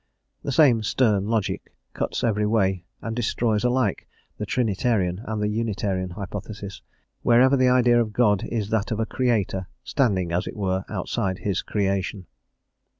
The same stern logic cuts every way and destroys alike the Trinitarian and the Unitarian hypothesis, wherever the idea of God is that of a Creator, standing, as it were, outside his creation.